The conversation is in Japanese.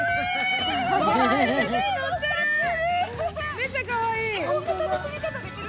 めっちゃかわいい。